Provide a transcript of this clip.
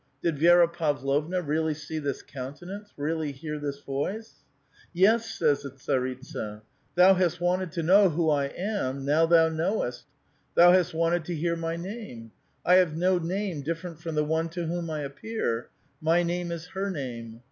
Did Vi6ra Pavlovna really see this countenance ? really hear this voice ?" Yes," says the tsarita, " thou hast wanted to knpw who I am ; now thou knowest. Thou hast wanted to hear my name ; I have no name different from the one to whom I appear ; my name is her name.